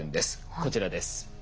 こちらです。